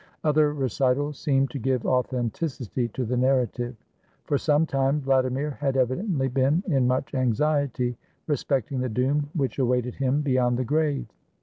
Other recitals seem to give authenticity to the narrative. For some time Vladi mir had evidently been in much anxiety respecting the doom which awaited him beyond the grave.